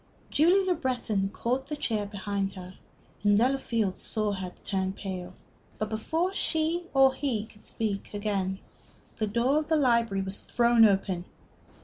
Julie Le Breton caught the chair behind her, and Delafield saw her turn pale. But before she or he could speak again, the door of the library was thrown open.